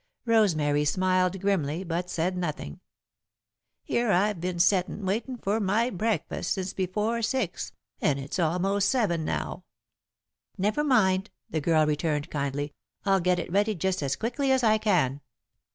Rosemary smiled grimly, but said nothing. "Here I've been settin', waitin' for my breakfast, since before six, and it's almost seven now." "Never mind," the girl returned, kindly; "I'll get it ready just as quickly as I can."